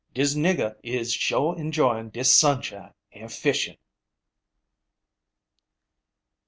Dis nigger is sho' enjoying dis sunshine and fishin'."